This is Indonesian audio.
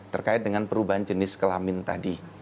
terkait dengan perubahan jenis kelamin tadi